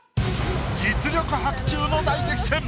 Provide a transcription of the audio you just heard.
実力伯仲の大激戦！